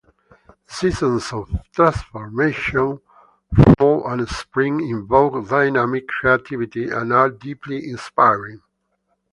Seasons of transformation, Fall and Spring invoke dynamic creativity and are deeply inspiring.